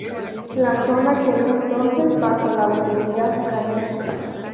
La zona quedó entonces bajo la autoridad danesa.